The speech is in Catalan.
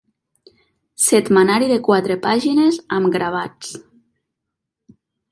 Setmanari de quatre pàgines, amb gravats.